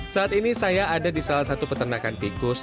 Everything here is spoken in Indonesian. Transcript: saat ini saya ada di salah satu peternakan tikus